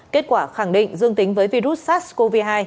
kết quả khẳng định dương tính với virus sars cov hai